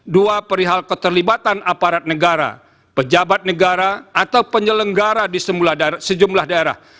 dua perihal keterlibatan aparat negara pejabat negara atau penyelenggara di sejumlah daerah